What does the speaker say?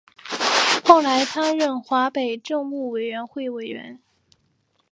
后来他任华北政务委员会委员。